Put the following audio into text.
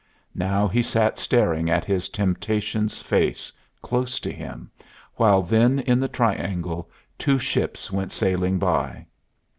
Now he sat staring at his Temptation's face, close to him, while then in the triangle two ships went sailing by.